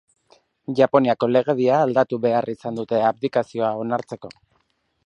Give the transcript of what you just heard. Japoniako legedia aldatu behar izan dute abdikazioa onartzeko.